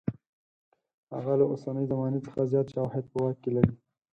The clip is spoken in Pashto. هغه له اوسنۍ زمانې څخه زیات شواهد په واک کې لري.